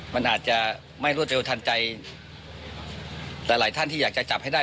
มันอาจจะไม่รวดเร็วทันใจแต่หลายท่านที่อยากจะจับให้ได้